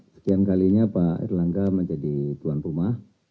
sekian kalinya pak erlangga menjadi tuan rumah